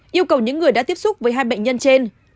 yêu cầu những người đã tiếp xúc với hai bệnh nhân trên